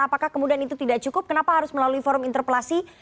apakah kemudian itu tidak cukup kenapa harus melalui forum interpelasi